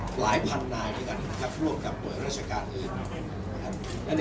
หลายพันนายเกี่ยวกันหรือว่ากับบริโญนัยรัฐการณ์อื่น